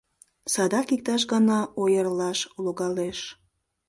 Садак иктаж гана ойырлаш логалеш.